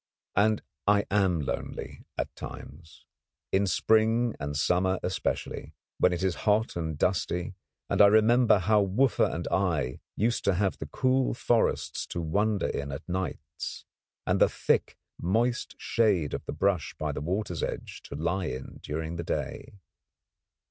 And I am lonely at times in spring and summer especially, when it is hot and dusty, and I remember how Wooffa and I used to have the cool forests to wander in at nights, and the thick, moist shade of the brush by the water's edge to lie in during the day.